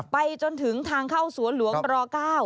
ไปจนถึงทางเข้าสวนหลวงร๙